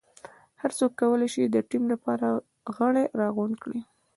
هر څوک کولای شي د ټیم لپاره غړي راغونډ کړي.